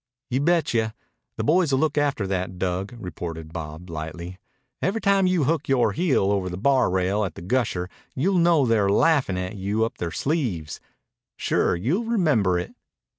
"Y'betcha! The boys'll look after that, Dug," retorted Bob lightly. "Every time you hook yore heel over the bar rail at the Gusher, you'll know they're laughin' at you up their sleeves. Sure, you'll remember it."